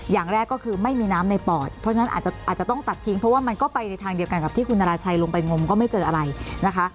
อย่างแรกก็คือไม่มีน้ำในปอดเพราะฉะนั้นอาจจะต้องตัดทิ้งเพราะว่ามันก็ไปในทางเดียวกันกับที่คุณนาราชัยลงไปงมก็ไม่เจออะไรนะคะ